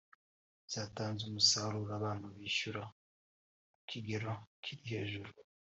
byatanze umusaruro abantu bishyura ku kigero kiri hejuru